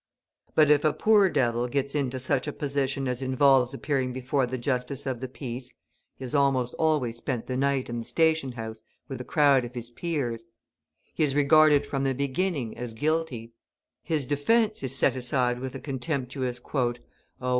But if a poor devil gets into such a position as involves appearing before the Justice of the Peace he has almost always spent the night in the station house with a crowd of his peers he is regarded from the beginning as guilty; his defence is set aside with a contemptuous "Oh!